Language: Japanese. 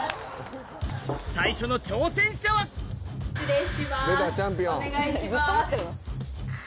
最初の挑戦者は失礼しますお願いします。